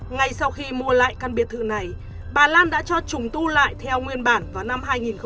ngay sau khi mua lại căn biệt thự này bà lan đã cho trùng tu lại theo nguyên bản vào năm hai nghìn một mươi